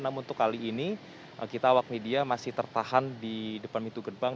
namun untuk kali ini kita awak media masih tertahan di depan pintu gerbang